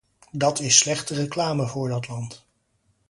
Dat is slechte reclame voor dat land.